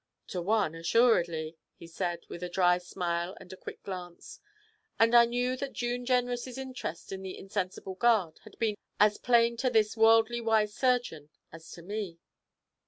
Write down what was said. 'To one, assuredly,' he said, with a dry smile and a quick glance; and I knew that June Jenrys' interest in the insensible guard had been as plain to this worldly wise surgeon as to me.